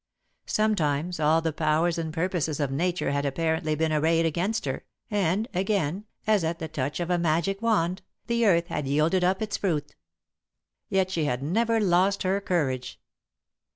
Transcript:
Sometimes all the powers and purposes of Nature had apparently been arrayed against her, and, again, as at the touch of a magic wand, the earth had yielded up its fruit. Yet she had never lost her courage.